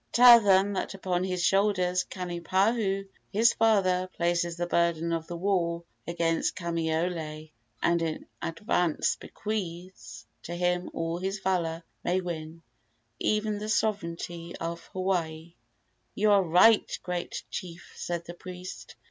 Tell him that upon his shoulders Kanipahu, his father, places the burden of the war against Kamaiole, and in advance bequeaths to him all his valor may win, even the sovereignty of Hawaii." "You are right, great chief!" said the priest.